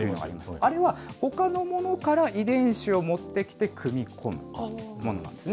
あれはほかのものから遺伝子を持ってきて組み込むものなんですね。